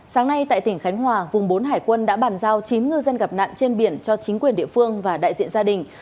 sáng nay tại tỉnh khánh hòa vùng bốn hải quân đã bàn giao chín ngư dân gặp nạn trên biển cho chính quyền địa phương và đại diện gia đình